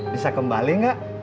bisa kembali gak